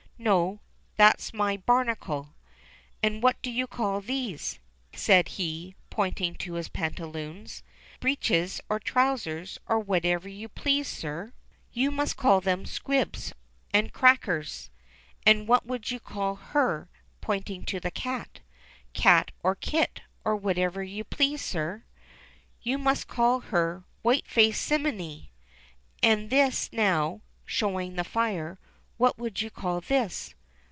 "No, that's my 'barnacle.' And what do you call these ?" said he, pointing to his pantaloons. "Breeches or trousers, or whatever you please, sir." 333 334 ENGLISH FAIRY TALES *'You must call them 'squibs and crackers/ And what would you call her ?" pointing to the cat. "Cat or kit, or whatever you please, sir." You must call her 'white faced simminy.' And this now," showing the fire, *'what would you call this